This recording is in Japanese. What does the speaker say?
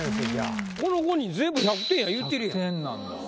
この５人全部１００点や言うてるやん。